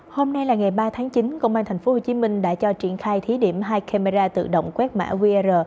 hôm nay là ngày ba tháng chín công an tp hcm đã cho triển khai thí điểm hai camera tự động quét mã qr